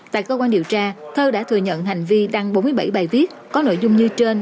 tại cơ quan điều tra thơ đã thừa nhận hành vi đăng bốn mươi bảy bài viết có nội dung như trên